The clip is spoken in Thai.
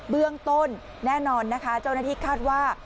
เบื้องต้นแน่นอนนะคะเจ้าหน้าที่คาดว่า